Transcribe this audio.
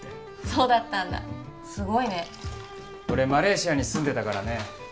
そうだったんだすごいね俺マレーシアに住んでたからね